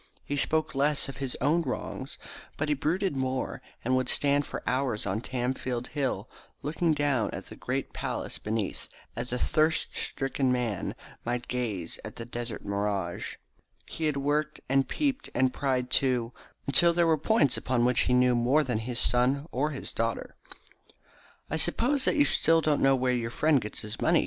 He spoke less of his own wrongs, but he brooded more, and would stand for hours on Tamfield Hill looking down at the great palace beneath, as a thirst stricken man might gaze at the desert mirage. He had worked, and peeped, and pried, too, until there were points upon which he knew more than either his son or his daughter. "I suppose that you still don't know where your friend gets his money?"